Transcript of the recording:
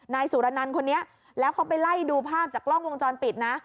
นายสุรนันต์คนนี้แล้วเขาไปไล่ดูภาพจากกล้องวงจรปิดนะ